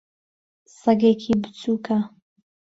سەگێکی بچووکە.